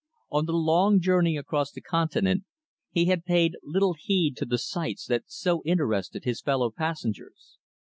On the long journey across the continent, he had paid little heed to the sights that so interested his fellow passengers.